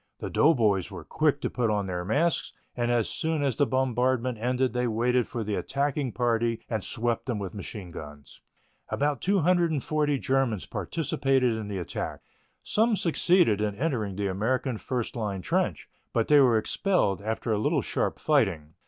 The doughboys were quick to put on their masks and as soon as the bombardment ended they waited for the attacking party and swept them with machine guns. About 240 Germans participated in the attack. Some succeeded in entering the American first line trench, but they were expelled after a little sharp fighting.